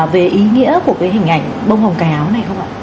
về ý nghĩa của cái hình ảnh bông hồng cà áo này không ạ